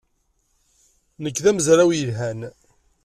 Nekk d amezraw yelhan.